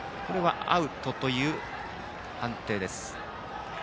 アウトという判定です。